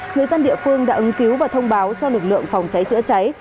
người dân địa phương đã ứng cứu và thông báo cho lực lượng phòng cháy chữa cháy